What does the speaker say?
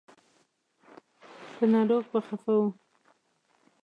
په ناروغ به خفه و.